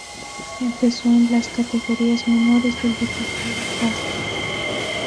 Empezó en las categorías menores del Deportivo Pasto.